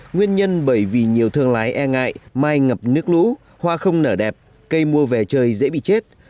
nguyên nhân bởi vì nhiều thương lái e ngại mai ngập nước lũ hoa không nở đẹp cây mua về trời dễ bị chết